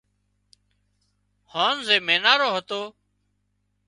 هانَ زي مينارو هتو